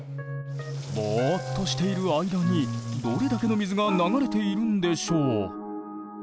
ぼっとしている間にどれだけの水が流れているんでしょう。